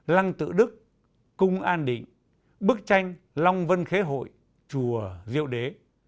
lăng tự đức cung an định bức tranh long vân khế hội chùa diệu đế